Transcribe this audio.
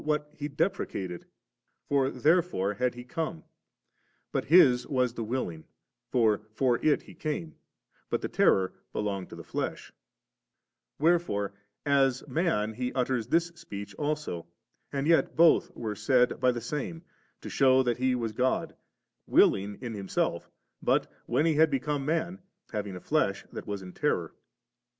• {Tha hiUBMi will of tba Savioor it in abaolata luurmoKf with He deprecated, for therefore had He come; but His was the willing (for for it He came)^ but the terror belonged to the flesh. Where fore as man He utters this speech also, and yet both were said by the Same, to shew that He was God, willing in Himself, but when He had become man, having a flesh that was in terror.